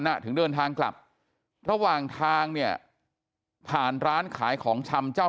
ถึงเดินทางกลับระหว่างทางเนี่ยผ่านร้านขายของชำเจ้า